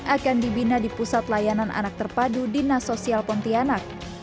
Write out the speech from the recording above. akan dibina di pusat layanan anak terpadu dinas sosial pontianak